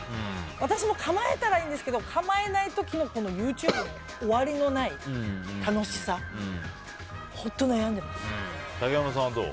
私も構えたらいいんですけど構えない時のＹｏｕＴｕｂｅの終わりのない楽しさ本当悩んでいます。